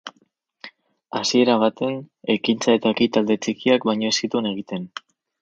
Hasiera baten, ekintza eta ekitaldi txikiak baino ez zituen egiten.